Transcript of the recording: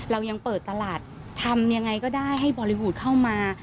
เรายังเปิดตลาดทำยังไงก็ได้ให้บอลลีวูดเข้ามา